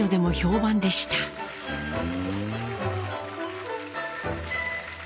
ふん。